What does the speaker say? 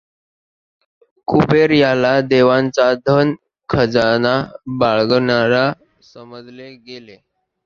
कुबेर याला देवांचा धन खजाना बाळगणारा समजले गेले.